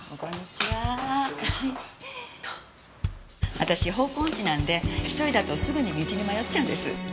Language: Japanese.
私方向音痴なんで１人だとすぐに道に迷っちゃうんです。